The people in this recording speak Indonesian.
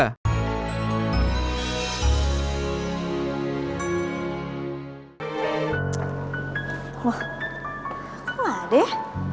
kok gak ada ya